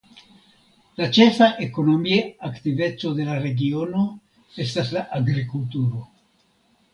La ĉefa ekonomia aktiveco de la regiono estas la agrikulturo.